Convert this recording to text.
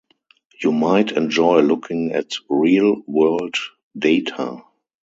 You might enjoy looking at real-world data.